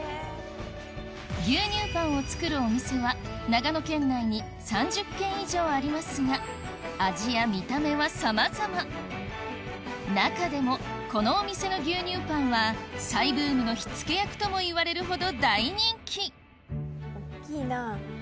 牛乳パンを作るお店は味や見た目はさまざま中でもこのお店の牛乳パンは再ブームの火付け役ともいわれるほど大人気おっきいな。